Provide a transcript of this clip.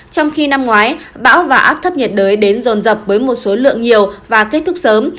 trong khi năm ngoái bão và áp thấp nhiệt đới đến rồn rập với một số lượng nhiều và kết thúc sớm